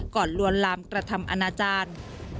ก่อนรวนลามกระทำอนาจารย์